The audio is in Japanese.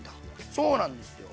そうなんですよ。